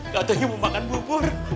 gak tanya mau makan bubur